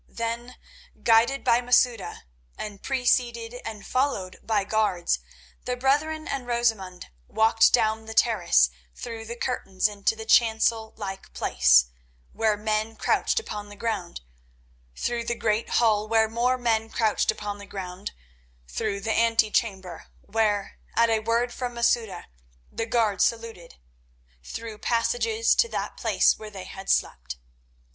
Then, guided by Masouda and preceded and followed by guards, the brethren and Rosamund walked down the terrace through the curtains into the chancel like place where men crouched upon the ground; through the great hall were more men crouched upon the ground; through the ante chamber where, at a word from Masouda, the guards saluted; through passages to that place where they had slept.